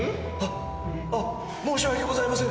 あっ申し訳ございません！